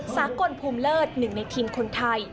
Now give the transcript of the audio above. สากลภูมิเลิศหนึ่งในทีมคนไทย